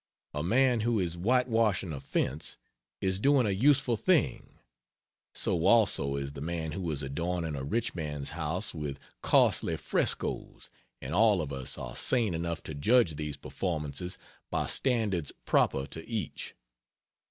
A man who is white washing a fence is doing a useful thing, so also is the man who is adorning a rich man's house with costly frescoes; and all of us are sane enough to judge these performances by standards proper to each.